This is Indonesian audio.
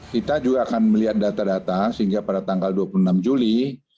kita juga akan melihat data data sehingga pada tanggal dua puluh enam juli dua ribu dua puluh satu